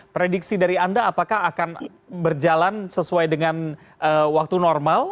prediksi dari anda apakah akan berjalan sesuai dengan waktu normal